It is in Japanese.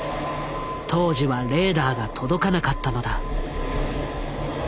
当時はレーダーが届かなかったのだ。